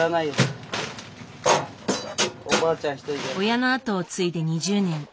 親の後を継いで２０年。